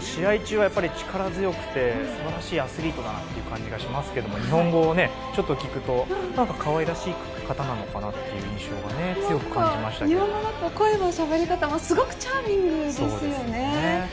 試合中は力強くて素晴らしいアスリートだなという感じがしますけども日本語をちょっと聞くとなんか可愛らしい方なのかなっていう印象が日本語だと声もしゃべり方もすごくチャーミングですよね。